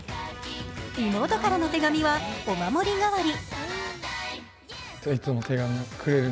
妹からの手紙はお守り代わり。